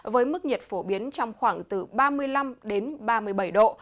với mức nhiệt phổ biến trong khoảng từ ba mươi năm ba mươi bảy độ